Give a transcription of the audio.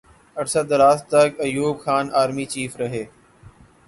عرصہ دراز تک ایوب خان آرمی چیف رہے۔